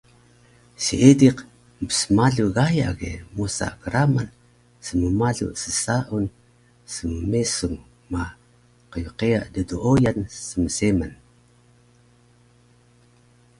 Seediq mpsmalu Gaya ge mosa kraman smmalu ssaan smmesung ma qyqeya ddooyun smseman